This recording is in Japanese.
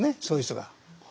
そういう人が。